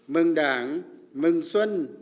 mừng đảng mừng xuân